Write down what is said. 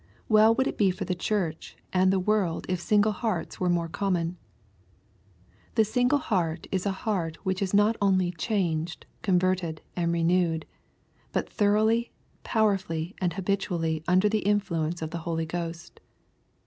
Well would it be for the church and the world if single hearts were more common. The single heart is a heart which is not only changed, converted, and renewed ; but thoroughly, powerfully, and habitually under the influence of the Holy Ghost.